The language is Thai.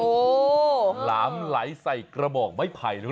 โอ้ล้ามไหลใส่กระบอกไม้ไผ่